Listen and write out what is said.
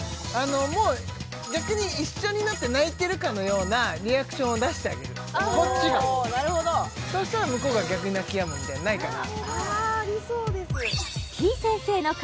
もう逆に一緒になって泣いてるかのようなリアクションを出してあげるこっちがそしたら向こうが逆に泣きやむみたいなのないかな？